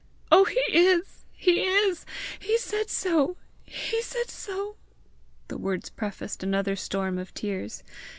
Oh, he is! he is! he said so! he said so!" The words prefaced another storm of tears.